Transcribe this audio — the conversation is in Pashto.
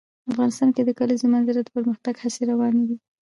افغانستان کې د د کلیزو منظره د پرمختګ هڅې روانې دي.